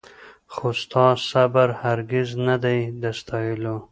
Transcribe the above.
خو ستا صبر هرګز نه دی د ستایلو